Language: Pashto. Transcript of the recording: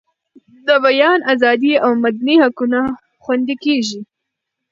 د بیان ازادي او مدني حقونه خوندي کیږي.